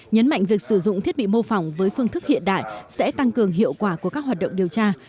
nhấn mạnh việc sử dụng thiết bị mô phỏng với phương thức hiện đại sẽ tăng cường hiệu quả của các hoạt động điều tra